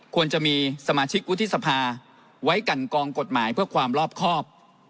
ควรจะมีสมาชิกวุฒิสภาไว้กันกองกฎหมายเพื่อความรอบครอบ